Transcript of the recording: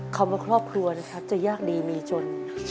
คำว่าครอบครัวนะครับจะยากดีมีจน